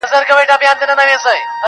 نوي کورونه جوړ سوي دلته ډېر,